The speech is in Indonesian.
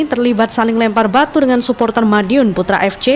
terlibat saling lempar batu dengan supporter madiun putra fc